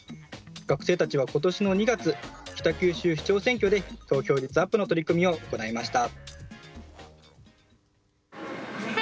学生たちは今年の２月北九州市長選挙で投票率アップの取り組みを行いました。